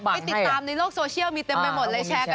ไปติดตามในโลกโซเชียลมีเต็มไปหมดเลยแชร์กัน